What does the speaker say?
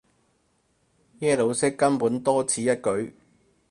耶魯式根本多此一舉